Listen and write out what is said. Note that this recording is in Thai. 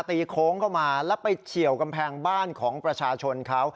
โค้งเข้ามาแล้วไปเฉียวกำแพงบ้านของประชาชนเขา